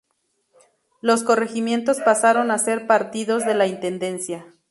Los corregimientos pasaron a ser partidos de la intendencia.